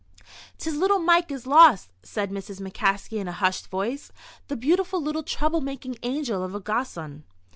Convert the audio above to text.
"'Tis little Mike is lost," said Mrs. McCaskey, in a hushed voice, "the beautiful, little, trouble making angel of a gossoon!"